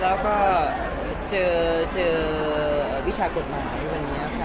แล้วก็เจอวิชากฎหมายในวันนี้ค่ะ